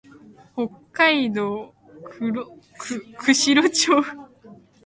北海道釧路町